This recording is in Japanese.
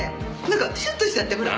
なんかシュッとしちゃってほら。